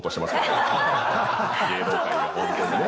芸能界はホントにね。